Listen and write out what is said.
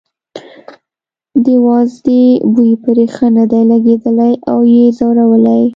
د وازدې بوی پرې ښه نه دی لګېدلی او یې ځوروي.